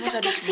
tidak ada diri